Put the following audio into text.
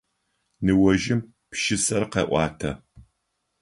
Ныожъым пшысэр къеӏуатэ.